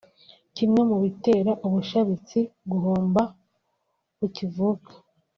Kimwe mu bitera ubushabitsi guhomba bukivuka